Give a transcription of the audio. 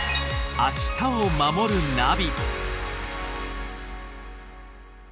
「明日をまもるナビ」